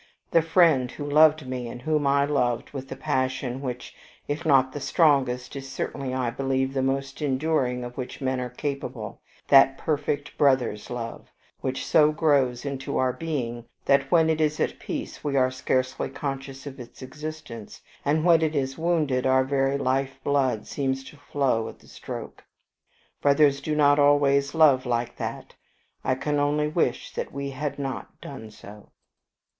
The friend who loved me, and whom I loved with the passion which, if not the strongest, is certainly, I believe, the most enduring of which men are capable, that perfect brother's love, which so grows into our being that when it is at peace we are scarcely conscious of its existence, and when it is wounded our very life blood seems to flow at the stroke. Brothers do not always love like that: I can only wish that we had not done so.